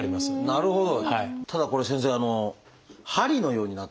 なるほど。